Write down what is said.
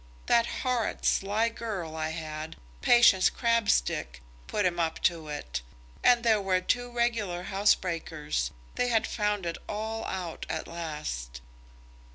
That horrid sly girl I had, Patience Crabstick, put him up to it. And there were two regular housebreakers. They have found it all out at last."